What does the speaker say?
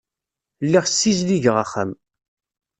Lliɣ ssizdigeɣ axxam.